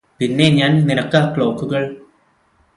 പിന്നെ ഞാന് നിനക്ക് ആ ക്ലോക്കുകള്